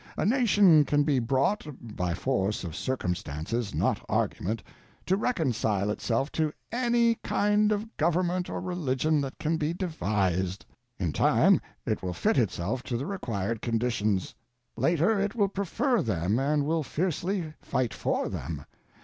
A nation can be brought—by force of circumstances, not argument—to reconcile itself to _any kind of government or religion that can be devised; _in time it will fit itself to the required conditions; later, it will prefer them and will fiercely fight for them.